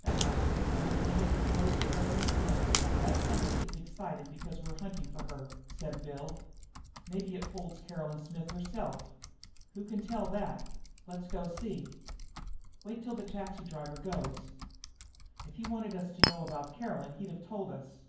"That house has somebody in it who knows Caroline Smith, and that somebody is excited because we're hunting for her," said Bill. "Maybe it holds Caroline herself. Who can tell that? Let's go see." "Wait till that taxi driver goes. If he'd wanted us to know about Caroline he'd of told us.